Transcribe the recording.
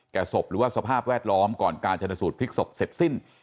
ศพหรือว่าสภาพแวดล้อมก่อนการชนสูตรพลิกศพเสร็จสิ้น